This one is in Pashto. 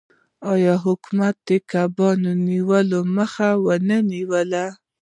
آیا حکومت د کب نیولو مخه ونه نیوله؟